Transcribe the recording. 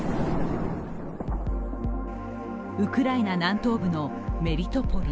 ウクライナ南東部のメリトポリ。